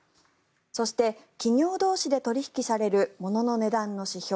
そして、企業同士で取引される物の値段の指標